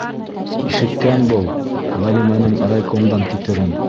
Ишеткән был Ғәлимәнең райкомдан китерен!